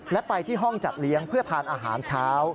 และไปที่ห้องจัดเลี้ยงเพื่อทานอาหารเช้า